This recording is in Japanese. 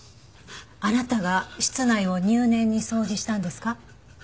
あなたが室内を入念に掃除したんですか？